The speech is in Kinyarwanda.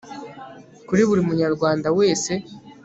kuri buri munyarwanda wese